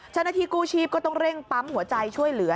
เจ้าหน้าที่กู้ชีพก็ต้องเร่งปั๊มหัวใจช่วยเหลือ